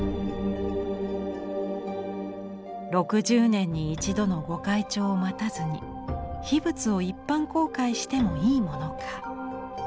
６０年に一度の御開帳を待たずに秘仏を一般公開してもいいものか。